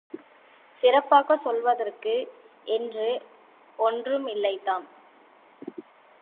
சிறப்பாகச் சொல்வதற்கு என்று ஒன்றும் இல்லைதான்.